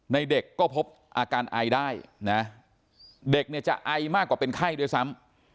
เด็กก็พบอาการไอได้นะเด็กเนี่ยจะไอมากกว่าเป็นไข้ด้วยซ้ำ